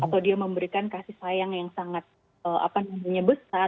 atau dia memberikan kasih sayang yang sangat besar